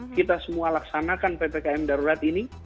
kita semua laksanakan ppkm darurat ini